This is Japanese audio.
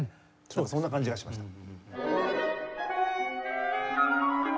そんな感じがしました。